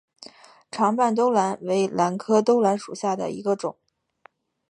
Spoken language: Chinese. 长瓣兜兰为兰科兜兰属下的一个种。